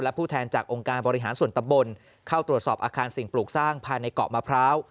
และผู้แทนจากองค์การบริหารส่วนตำบลเข้าตรวจสอบอาคารสิ่งปลูกสร้างภายในเกาะมะพร้าว